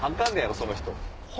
その人。